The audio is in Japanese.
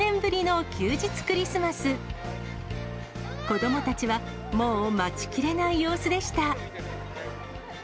子どもたちはもう待ちきれない様子でした。